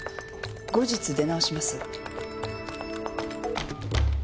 後日出直します。